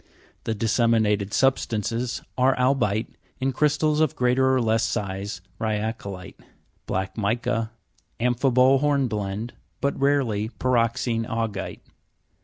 The disseminated substances are albi'te, in crystals of greater or less size, rya'colite, black mica, amphibole hornblende, but rarely py' roxene augi'te.